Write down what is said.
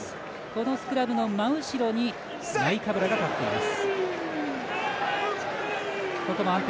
このスクラムの真後ろにナイカブラが立っています。